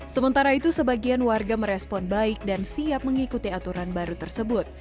sementara itu sebagian warga merespon baik dan siap mengikuti aturan baru tersebut